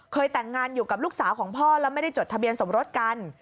แต่งงานอยู่กับลูกสาวของพ่อแล้วไม่ได้จดทะเบียนสมรสกัน